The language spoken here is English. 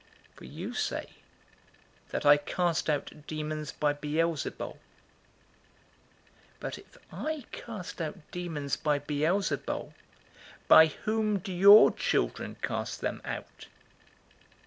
For you say that I cast out demons by Beelzebul. 011:019 But if I cast out demons by Beelzebul, by whom do your children cast them out?